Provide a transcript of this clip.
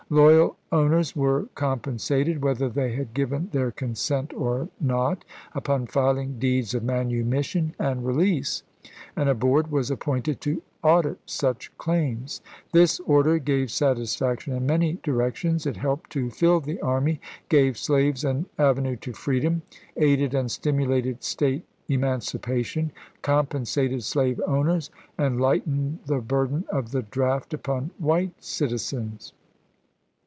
Loyal owners were compensated, whether they had given their consent or not, upon filing deeds of manumission and release, and a board was appointed to audit such claims. This order gave satisfaction in many di rections ; it helped to fill the army, gave slaves an avenue to freedom, aided and stimulated State eman cipation, compensated slave owners, and lightened the burden of the draft upon white citizens.